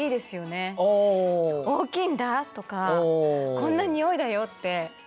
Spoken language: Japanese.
「大きいんだ」とか「こんなにおいだよ」って。